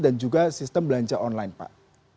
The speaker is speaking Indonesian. dan juga sistem belanja online pak